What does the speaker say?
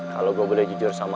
kalo gue boleh jujur sama sila